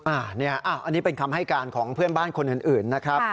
อันนี้เป็นคำให้การของเพื่อนบ้านคนอื่นนะครับ